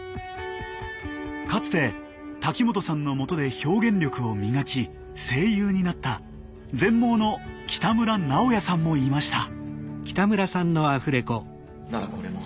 かつて滝本さんのもとで表現力を磨き声優になった全盲の北村直也さんもいました。